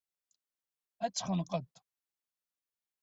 Ad t-xenqent.